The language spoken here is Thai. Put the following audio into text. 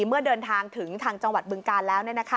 เมื่อเดินทางถึงทางจังหวัดบึงการแล้ว